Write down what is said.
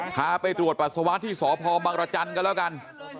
พาไปตรวจปัสสาวะที่สพบังรจันทร์ก็แล้วกัน